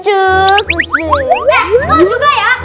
eh kau juga ya